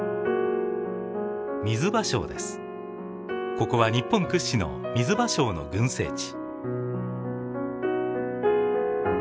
ここは日本屈指のミズバショウの群生地。